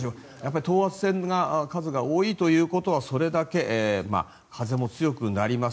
等圧線の数が多いということはそれだけ風も強くなります。